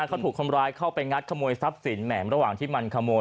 เขาถูกคนร้ายเข้าไปงัดขโมยทรัพย์สินแหมระหว่างที่มันขโมย